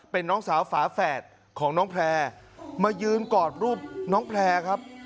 เป็นน้องสาวฝาแฝดของน้องแพร่มายืนกอดรูปน้องแพร่ครับ